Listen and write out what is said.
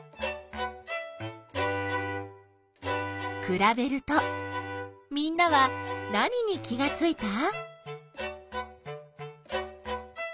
くらべるとみんなは何に気がついた？